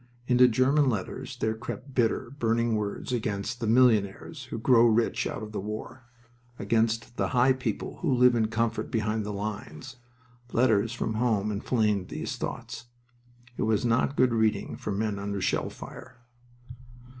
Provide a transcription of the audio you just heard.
Into German letters there crept bitter, burning words against "the millionaires who grow rich out of the war," against the high people who live in comfort behind the lines. Letters from home inflamed these thoughts. It was not good reading for men under shell fire.